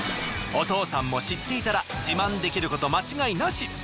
お父さんも知っていたら自慢できること間違いなし。